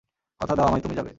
কথা দাও আমায়, তুমি যাবে।